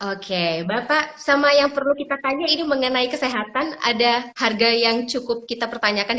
oke bapak sama yang perlu kita tanya ini mengenai kesehatan ada harga yang cukup kita pertanyakan